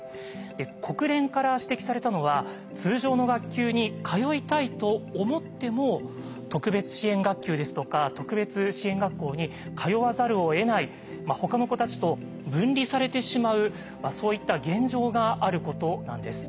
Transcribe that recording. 国連から指摘されたのは通常の学級に通いたいと思っても特別支援学級ですとか特別支援学校に通わざるをえないほかの子たちと分離されてしまうそういった現状があることなんです。